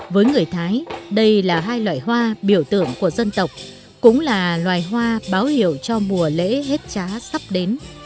với người thái đây là hai loại hoa biểu tượng của dân tộc cũng là loài hoa báo hiệu cho mùa lễ hết trá sắp đến